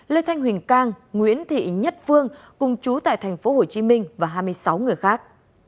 lê thanh huỳnh cang nguyễn thị nhất phương cùng trú tại thành phố hồ chí minh và hai mươi sáu người khác